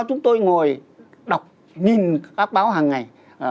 chúng tôi ngồi đọc nhìn các báo hàng ngày